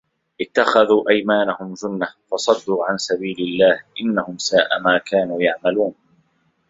اتَّخَذوا أَيمانَهُم جُنَّةً فَصَدّوا عَن سَبيلِ اللَّهِ إِنَّهُم ساءَ ما كانوا يَعمَلونَ